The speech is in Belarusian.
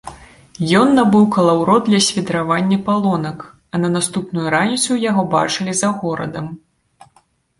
Ён набыў калаўрот для свідравання палонак, а на наступную раніцу яго бачылі за горадам.